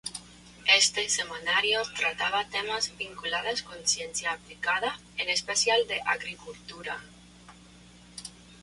Este semanario trataba temas vinculados con ciencia aplicada, en especial de agricultura.